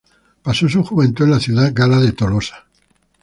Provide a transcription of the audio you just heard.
Pasó su juventud en la ciudad gala de Tolosa.